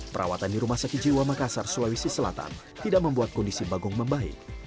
perawatan di rumah sakit jiwa makassar sulawesi selatan tidak membuat kondisi bagong membaik